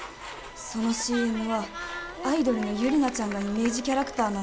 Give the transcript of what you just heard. そのＣＭはアイドルのユリナちゃんがイメージキャラクターなんですが。